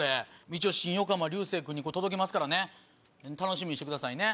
一応新横浜流星君に届けますから楽しみにしてくださいね。